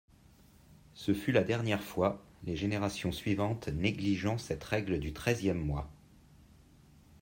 Ce fut la dernière fois, les générations suivantes négligeant cette règle du treizième mois.